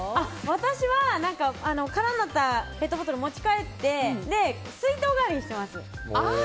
私は空になったペットボトル持ち帰って水筒代わりにしています。